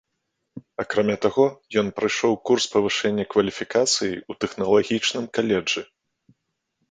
Акрамя таго, ён прайшоў курс павышэння кваліфікацыі ў тэхналагічным каледжы.